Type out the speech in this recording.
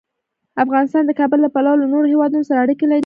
افغانستان د کابل له پلوه له نورو هېوادونو سره اړیکې لري.